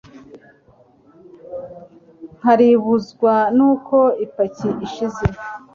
nkalibuzwa n'uko ipaki ishize